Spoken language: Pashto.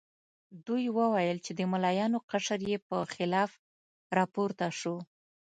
دوی وویل چې د ملایانو قشر یې په خلاف راپورته شو.